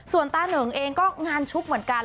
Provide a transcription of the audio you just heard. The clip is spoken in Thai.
ส่วนตาเหนิงเองก็งานชุกเหมือนกัน